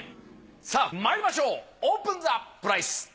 さあまいりましょうオープンザプライス。